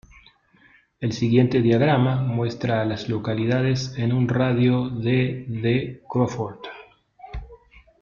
El siguiente diagrama muestra a las localidades en un radio de de Crawford.